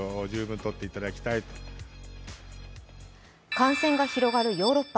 感染が広がるヨーロッパ。